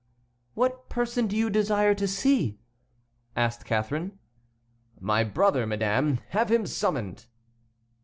"What person do you desire to see?" asked Catharine. "My brother, madame. Have him summoned."